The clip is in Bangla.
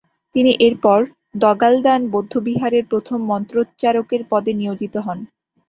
তিনি এরপর দ্গা'-ল্দান বৌদ্ধবিহারের প্রথম মন্ত্রোচ্চারকের পদে নিয়োজিত হন।